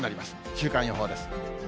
週間予報です。